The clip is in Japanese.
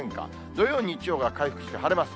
土曜、日曜が回復して晴れます。